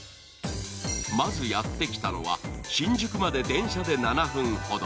まずやってきたのは新宿まで電車で７分ほど。